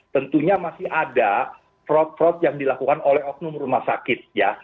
tentunya masih ada fraud fraud yang dilakukan oleh oknum rumah sakit